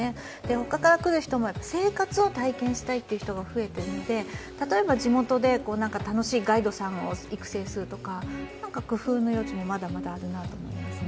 他から来る人も生活を体験したいという人が増えているので、例えば地元で楽しいガイドさんを育成するとか工夫の余地もまだまだあると思います。